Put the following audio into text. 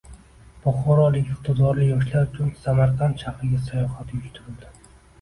Buxorolik iqtidorli yoshlar uchun Samarqand shahriga sayohat uyushtirildi